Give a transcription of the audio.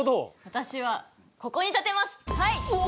私はここに立てますはい！